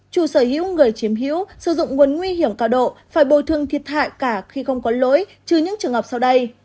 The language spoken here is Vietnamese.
chủ sở hữu người chiếm hữu sử dụng nguồn nguy hiểm cao độ phải bồi thương thiệt hại cả khi không có lỗi trừ những trường hợp sau đây